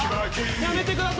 やめてください。